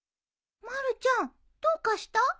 まるちゃんどうかした？